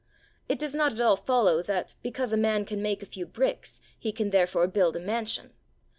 It does not at all follow that, because a man can make a few bricks, he can therefore build a mansion.